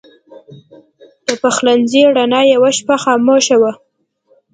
د پخلنځي رڼا یوه شپه خاموشه وه.